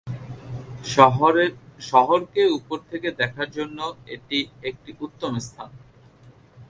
শহরকে উপর থেকে দেখার জন্য এটি একটি উত্তম স্থান।